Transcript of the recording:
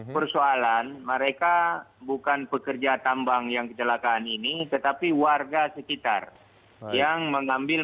persoalan mereka bukan pekerja tambang yang kecelakaan ini tetapi warga sekitar yang mengambil